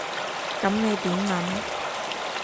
噉你點諗？